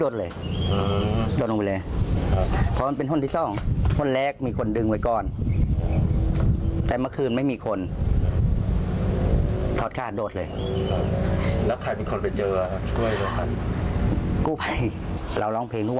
เดี๋ยวคนเขาเห็นเยอะไม่มีทางออก